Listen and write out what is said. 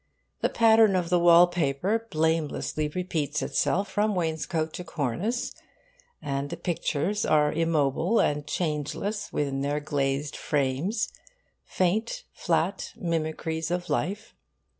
The pattern of the wallpaper blamelessly repeats itself from wainscote to cornice; and the pictures are immobile and changeless within their glazed frames faint, flat mimicries of life.